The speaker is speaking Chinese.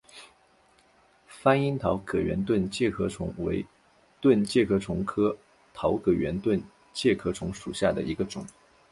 番樱桃葛圆盾介壳虫为盾介壳虫科桃葛圆盾介壳虫属下的一个种。